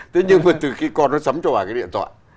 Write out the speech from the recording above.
thế nhưng mà từ khi con nó xấm cho bà cái điện thoại